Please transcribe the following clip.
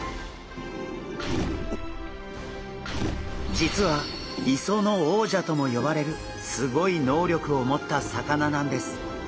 実は磯の王者とも呼ばれるすごい能力を持った魚なんです！